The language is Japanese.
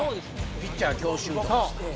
ピッチャー強襲とかさ。